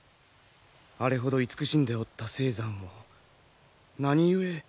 あれほど慈しんでおった青山を何故？